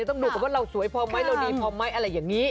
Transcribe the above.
ต้องดูกันว่าเราสวยพอไหมเราดีพอไหมอะไรอย่างนี้